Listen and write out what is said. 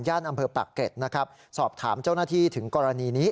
อำเภอปากเกร็ดนะครับสอบถามเจ้าหน้าที่ถึงกรณีนี้